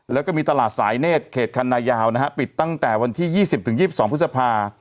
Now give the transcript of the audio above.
แล้วก็มีตลาดสายเนศเขตคัณะยาวนะฮะปิดตั้งแต่วันที่ยี่สิบถึงยี่สิบสองพฤษภา